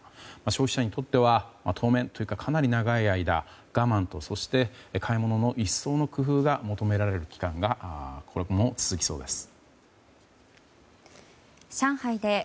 消費者にとっては当面というかかなり長い間我慢と、買い物の一層の工夫が求められる期間が今後も続きそうです。